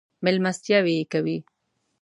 مېلمستیاوې یې کوي.